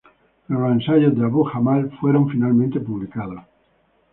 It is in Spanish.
Pero los ensayos de Abu-Jamal fueron finalmente publicados.